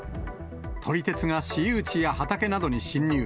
撮り鉄が私有地や畑などに侵入。